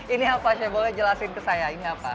ini apa chef boleh jelasin ke saya ini apa